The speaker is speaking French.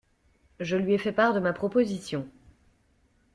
Je lui ai fait part de ma proposition.